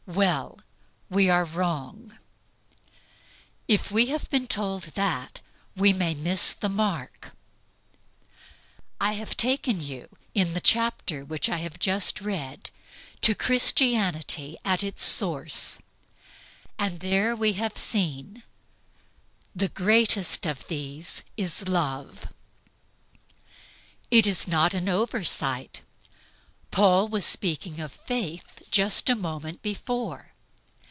Well, we are wrong. If we have been told that, we may miss the mark. In the 13th chapter of I Corinthians, Paul takes us to CHRISTIANITY AT ITS SOURCE; and there we see, "The greatest of these is love." It is not an oversight. Paul was speaking of faith just a moment before.